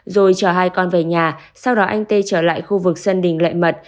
rồi chở hai con về nhà sau đó anh t trở lại khu vực sân đỉnh lệ mật